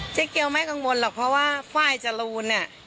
เจ๊เกียวไม่กังวลหรอกเพราะว่าฝ่ายจรูนเนี่ย